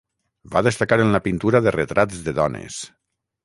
Va destacar en la pintura de retrats de dones.